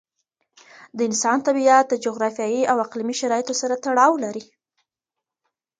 د انسان طبیعت د جغرافیایي او اقليمي شرایطو سره تړاو لري.